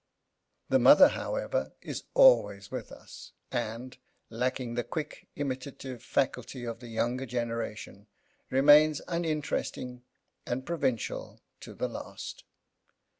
The mother, however, is always with us, and, lacking the quick imitative faculty of the younger generation, remains uninteresting and provincial to the last.